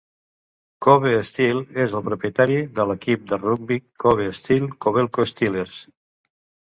Kobe Steel és el propietari de l'equip de rugbi Kobe Steel Kobelco Steelers.